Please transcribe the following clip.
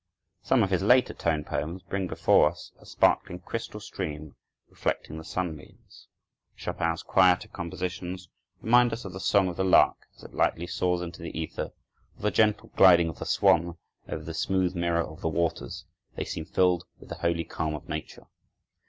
Some of his later tone poems bring before us a sparkling crystal stream reflecting the sunbeams. Chopin's quieter compositions remind us of the song of the lark as it lightly soars into the ether, or the gentle gliding of the swan over the smooth mirror of the waters; they seem filled with the holy calm of nature.